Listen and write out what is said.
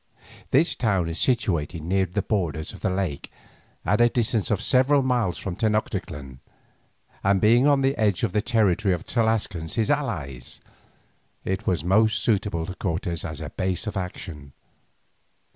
This town is situated near the borders of the lake, at a distance of several leagues from Tenoctitlan, and being on the edge of the territory of the Tlascalans his allies, it was most suitable to Cortes as a base of action.